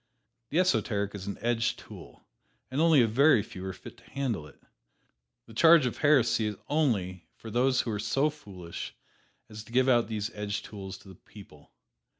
The esoteric is an edged tool, and only a very few are fit to handle it. The charge of heresy is only for those who are so foolish as to give out these edged tools to the people.